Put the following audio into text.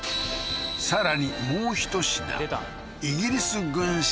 さらにもうひと品